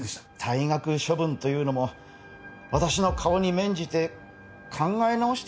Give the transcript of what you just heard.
退学処分というのも私の顔に免じて考え直して頂けませんか？